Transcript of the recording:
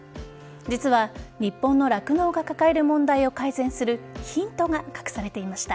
実は日本の酪農が抱える問題を改善するヒントが隠されていました。